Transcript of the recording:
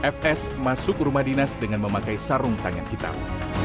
fs masuk ke rumah dinas dengan memakai sarung tangan hitam